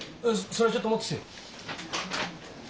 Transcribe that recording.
それちょっと持ってきて。